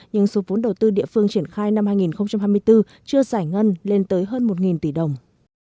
nhưng số vốn đầu tư địa phương triển khai năm hai nghìn hai mươi bốn chưa giải ngân lên tới hơn một tỷ đồng